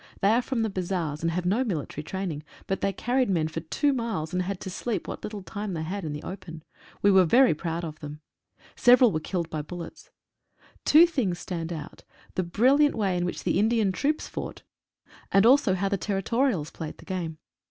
They are from the Bazaars, and have no military training, but they carried men for two miles, and had to sleep what little time they had in the open. We were very proud of them'. Several 50 THE INDIANS IN ACTION. were killed by bullets. Two tilings stand out — the bril liant way in which the Indian troops fought, and also how the Territorials played the game.